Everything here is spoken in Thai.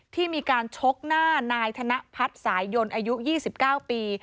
ที่มีการชกหน้านายธนพัฒน์สายยนต์อายุ๒๙ปี